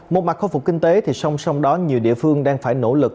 một mặt khó phục kinh tế song song đó nhiều địa phương đang phải nỗ lực